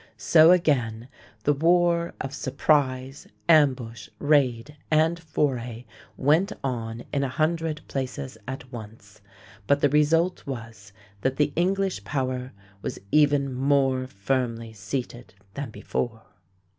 So again the war of surprise, ambush, raid, and foray went on in a hundred places at once, but the result was that the English power was even more firmly seated than before.